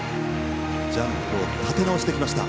ジャンプを立て直してきました。